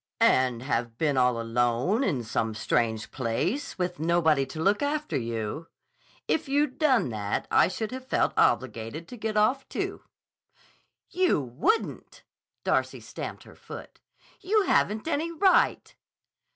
"And have been alone in some strange place with nobody to look after you? If you'd done that, I should have felt obligated to get off, too." "You wouldn't!" Darcy stamped her foot. "You haven't any right."